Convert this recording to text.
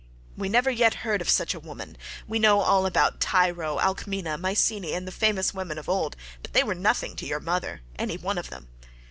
We never yet heard of such a woman; we know all about Tyro, Alcmena, Mycene, and the famous women of old, but they were nothing to your mother any one of them.